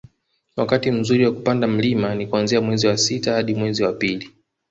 wakati mzuri kwa kupanda mlima ni kuanzia mwezi wa sita hadi mwezi wa pili